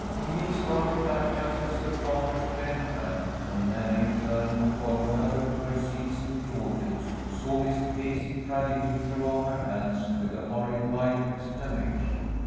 Elise darted back just as the prompter's bell rang, and Mary, turning to follow her to their seats in the audience, saw Miss Casey tragically throw up her hands, with a horrified exclamation.